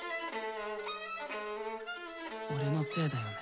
俺のせいだよね。